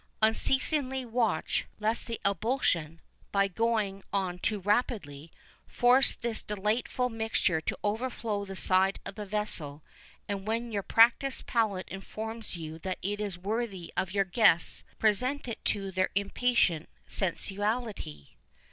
Unceasingly watch, lest the ebullition, by going on too rapidly, force this delightful mixture to overflow the side of the vessel; and when your practised palate informs you that it is worthy of your guests, present it to their impatient sensuality.